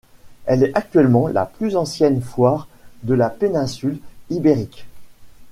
Elle est actuellement la plus ancienne foire de la Péninsule Ibérique.